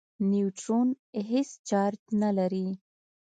نیوټرون هېڅ چارج نه لري.